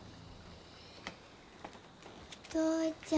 お父ちゃん。